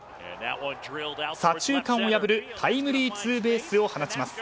左中間を破るタイムリーツーベースを放ちます。